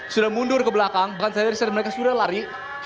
sudah mundur ke belakang bahkan saya riset mereka sudah lari